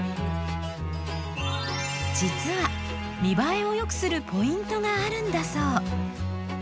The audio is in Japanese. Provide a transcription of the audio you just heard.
実は見映えを良くするポイントがあるんだそう。